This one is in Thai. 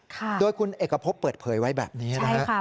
ค่ะคุณเอกพบเปิดเผยไว้แบบนี้นะครับใช่ค่ะ